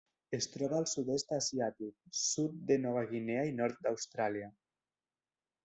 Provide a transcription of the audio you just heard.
Es troba al Sud-est asiàtic, sud de Nova Guinea i nord d'Austràlia.